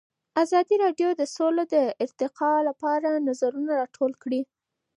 ازادي راډیو د سوله د ارتقا لپاره نظرونه راټول کړي.